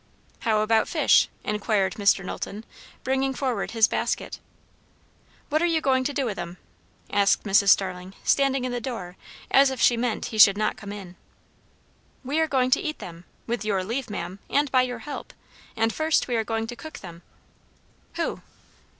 "How about fish?" inquired Mr. Knowlton, bringing forward his basket. "What are you going to do with 'em?" asked Mrs. Starling, standing in the door as if she meant he should not come in. "We are going to eat them with your leave ma'am, and by your help; and first we are going to cook them." "Who?"